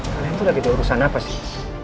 kalian tuh lagi diurusan apa sih